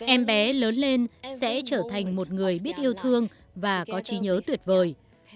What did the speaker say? em bé lớn lên sẽ trở thành một người biết yêu thương và có trí nhớ tuyệt vời